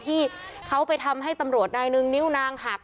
ที่เขาไปทำให้ตำรวจนายหนึ่งนิ้วนางหัก